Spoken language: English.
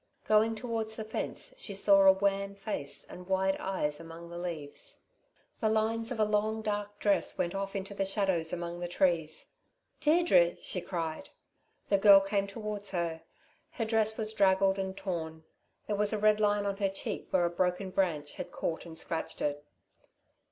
Going towards the fence, she saw a wan face and wide eyes among the leaves. The lines of a long, dark dress went off into the shadows among the trees. "Deirdre," she cried. The girl came towards her. Her dress was draggled and torn. There was a red line on her cheek where a broken branch had caught and scratched it.